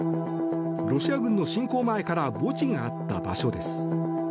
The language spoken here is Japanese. ロシア軍の侵攻前から墓地があった場所です。